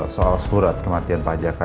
soal surat kematian pak jaka